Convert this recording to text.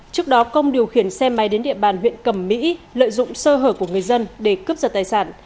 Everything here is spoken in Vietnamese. trước đó công điều khiển xe máy đến địa bàn huyện cầm mỹ lợi dụng sơ hở của người dân để cướp giật tài sản